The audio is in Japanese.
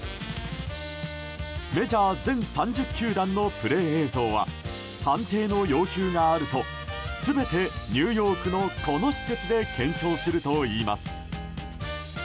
メジャー全３０球団のプレー映像は判定の要求があると全てニューヨークのこの施設で検証するといいます。